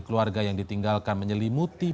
keluarga yang ditinggalkan menyelimuti